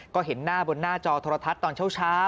ก็เห็นหน้าบนหน้าจอโทรทัศน์ตอนเช้า